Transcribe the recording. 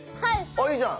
あいいじゃん。